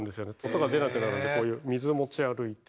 音が出なくなるんでこういう水持ち歩いて。